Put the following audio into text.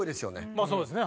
まあそうですね。